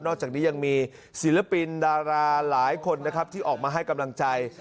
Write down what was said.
อกจากนี้ยังมีศิลปินดาราหลายคนนะครับที่ออกมาให้กำลังใจ